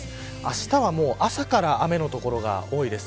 あしたは朝から雨の所が多いです。